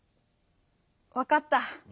わかった。